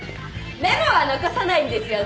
メモは残さないんですよね！